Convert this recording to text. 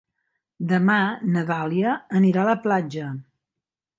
Demà na Dàlia anirà a la platja.